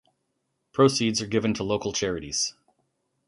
Proceeds are given to local charities.